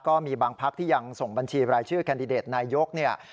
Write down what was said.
ก็มีบางพักที่ยังส่งบัญชีรายชื่อแคนดิเดตนายกเนี่ย